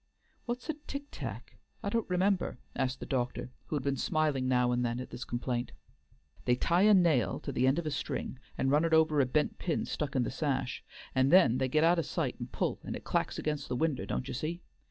"What's a tick tack? I don't remember," asked the doctor, who had been smiling now and then at this complaint. "They tie a nail to the end of a string, and run it over a bent pin stuck in the sash, and then they get out o' sight and pull, and it clacks against the winder, don't ye see?